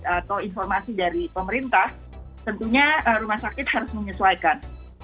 atau informasi dari pemerintah tentunya rumah sakit harus menyesuaikan